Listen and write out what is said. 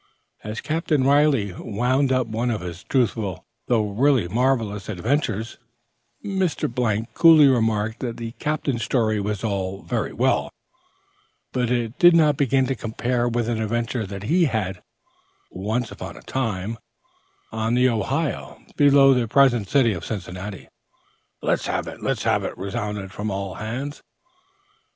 As Captain Riley wound up one of his truthful though really marvellous adventures, Mr. coolly remarked that the captain's story was all very well, but it did not begin to compare with an adventure that he had, "once upon a time," on the Ohio, below the present city of Cincinnati. "Let's have it!" "Let's have it!" resounded from all hands.